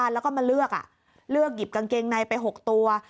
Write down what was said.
แล้วก็มาเลือกอ่ะเลือกหยิบกางเกงไนนายไปหกตัว